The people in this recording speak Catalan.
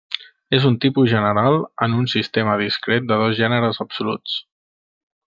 És un tipus general en un sistema discret de dos gèneres absoluts.